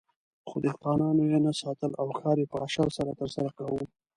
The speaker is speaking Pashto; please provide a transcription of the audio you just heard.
خو دهقانان یې نه ساتل او کار یې په اشر سره ترسره کاوه.